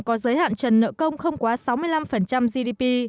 có giới hạn trần nợ công không quá sáu mươi năm gdp